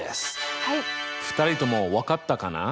２人とも分かったかな？